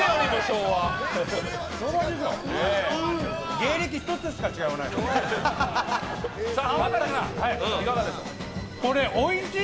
芸歴１つしか違わない。